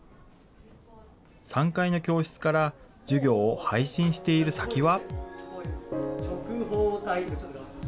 ３階の教室から授業を配信している先は。